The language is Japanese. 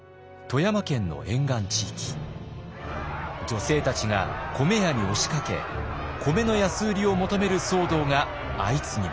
女性たちが米屋に押しかけ米の安売りを求める騒動が相次ぎます。